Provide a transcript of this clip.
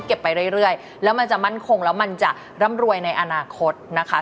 ไปเรื่อยแล้วมันจะมั่นคงแล้วมันจะร่ำรวยในอนาคตนะคะ